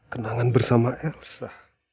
kenangan bersama elsa